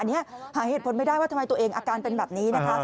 อันนี้หาเหตุผลไม่ได้ว่าทำไมตัวเองอาการเป็นแบบนี้นะคะ